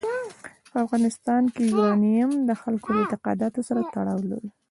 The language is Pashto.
په افغانستان کې یورانیم د خلکو د اعتقاداتو سره تړاو لري.